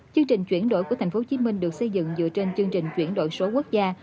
chương trình chuyển đổi của tp hcm được xây dựng dựa trên chương trình chuyển đổi số quốc gia